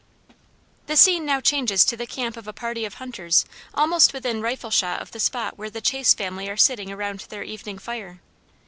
The scene now changes to the camp of a party of hunters almost within rifle shot of the spot where the Chase family are sitting around their evening fire.